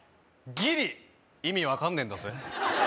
ギリ意味分かんねえんだぜ